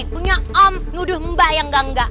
punya om nuduh mbak yang gangga